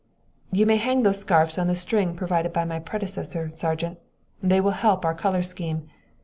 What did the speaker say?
"You may hang those scarfs on the string provided by my predecessor, Sergeant. They will help our color scheme.